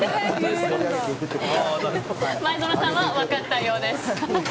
前園さんは分かったようです。